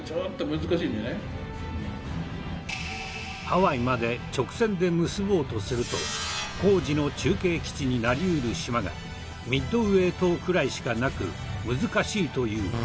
ハワイまで直線で結ぼうとすると工事の中継基地になり得る島がミッドウェー島くらいしかなく難しいという。